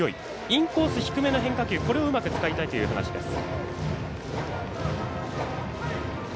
インコース低めの変化球をうまく使いたいという話です。